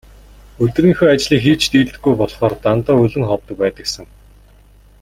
Өдрийнхөө ажлыг хийж дийлдэггүй болохоор дандаа өлөн ховдог байдагсан.